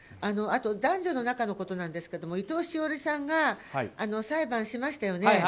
あと男女の仲のことですけど伊藤詩織さんが裁判をしましたよね。